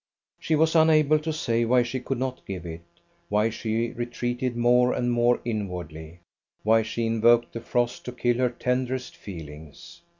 She was unable to say why she could not give it; why she retreated more and more inwardly; why she invoked the frost to kill her tenderest feelings.